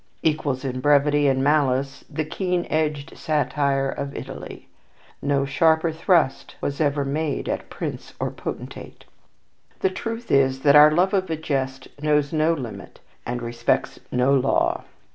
equals in brevity and malice the keen edged satire of Italy. No sharper thrust was ever made at prince or potentate. The truth is that our love of a jest knows no limit and respects no law.